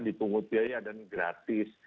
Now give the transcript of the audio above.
dipungut biaya dan gratis